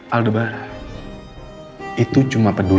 aldebaran itu cuma peduli